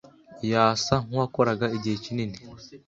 Yasa nkuwakoraga igihe kinini.